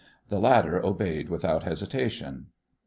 The latter obeyed without hesitation.